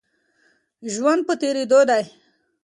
ژوند په تېرېدو دی.